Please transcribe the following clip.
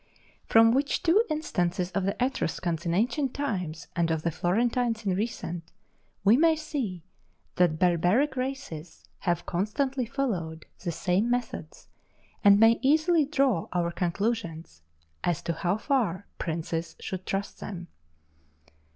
From which two instances of the Etruscans in ancient times and of the Florentines in recent, we may see that barbaric races have constantly followed the same methods, and may easily draw our conclusions as to how far princes should trust them.